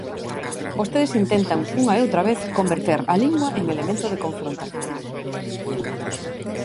Vostedes intentan, unha e outra vez, converter a lingua en elemento de confrontación.